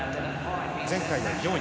前回の４位。